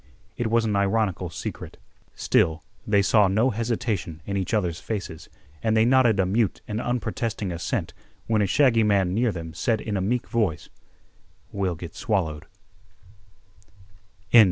It was an ironical secret. Still, they saw no hesitation in each other's faces, and they nodded a mute and unprotesting assent when a shaggy man near them said in a meek voice: "We'll git swallowed."